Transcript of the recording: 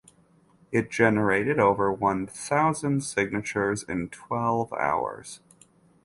It generated over one thousand signatures in twelve hours.